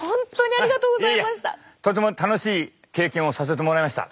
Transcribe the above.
とても楽しい経験をさせてもらいました。